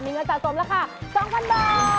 มีเงินสะสมราคา๒๐๐๐บาท